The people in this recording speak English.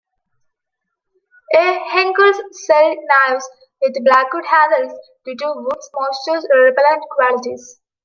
A. Henckels sell knives with blackwood handles due to the wood's moisture repellent qualities.